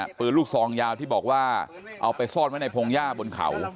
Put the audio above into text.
ปืนลูกซองยาวที่บอกว่าเอาไปซ่อนไว้ในพงหญ้าบนเขา